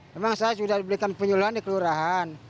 memang saya sudah diberikan penyuluhan di kelurahan